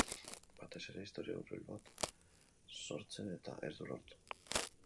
Batez ere, istorio hurbil bat sortzen, eta ez du lortu.